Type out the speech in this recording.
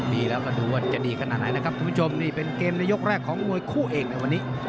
ดีแล้วก็ดูว่าจะดีขนาดไหนนะครับคุณผู้ชมนี่เป็นเกมในยกแรกของมวยคู่เอกในวันนี้